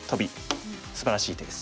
すばらしい手です。